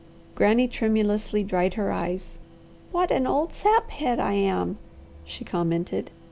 Granny tremulously dried her eyes. "What an old sap head I am!" she commented.